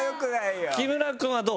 木村君はどう？